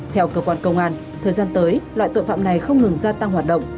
theo cơ quan công an thời gian tới loại tội phạm này không ngừng gia tăng hoạt động